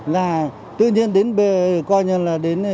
là tự nhiên đến coi như là đến